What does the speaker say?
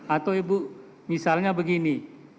atau ibu misalnya begini